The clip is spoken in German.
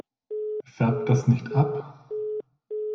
Färbt das nicht ab?